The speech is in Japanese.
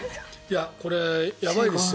これ、やばいですよ。